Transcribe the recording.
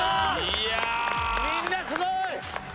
いや・みんなすごい！